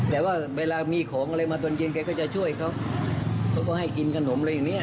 แต่ว่าเวลามีของอะไรมาตอนเย็นแกก็จะช่วยเขาเขาก็ให้กินขนมอะไรอย่างเงี้